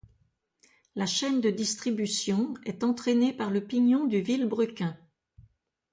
La chaîne de distribution est entraînée par le pignon du vilebrequin.